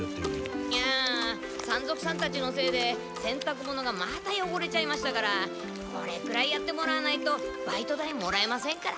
いや山賊さんたちのせいでせんたく物がまたよごれちゃいましたからこれくらいやってもらわないとバイト代もらえませんから。